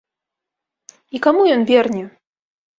І каму ён верне?